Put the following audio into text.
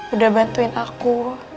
udah bantuin aku